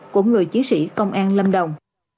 của người chiến sĩ công an lâm đồng